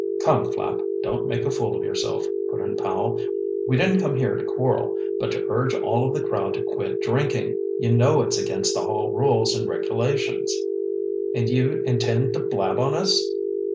"Come, Flapp, don't make a fool of yourself," put in Powell. "We didn't come here to quarrel, but to urge all of the crowd to quit drinking. You know it's against the Hall rules and regulations." "And you intend to blab on us?"